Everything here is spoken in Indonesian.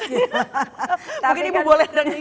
mungkin ibu boleh ngerangin